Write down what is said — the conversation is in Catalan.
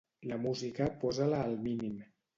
La música posa-la al mínim.